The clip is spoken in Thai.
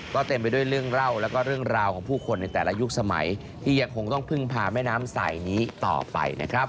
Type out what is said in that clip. ก็เต็มไปด้วยเรื่องเล่าแล้วก็เรื่องราวของผู้คนในแต่ละยุคสมัยที่ยังคงต้องพึ่งพาแม่น้ำใสนี้ต่อไปนะครับ